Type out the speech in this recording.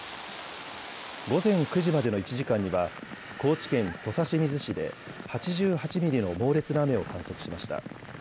午前９時までの１時間には高知県土佐清水市で８８ミリの猛烈な雨を観測しました。